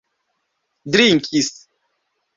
drinkis